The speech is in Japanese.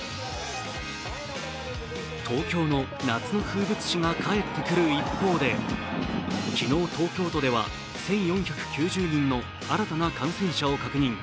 東京の夏の風物詩が帰ってくる一方で、昨日、東京都では１４９０人の新たな感染者を確認。